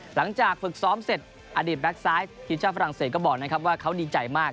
หลังจากฝึกซ้อมเสร็จอดีตแบ็คซ้ายทีมชาติฝรั่งเศสก็บอกนะครับว่าเขาดีใจมาก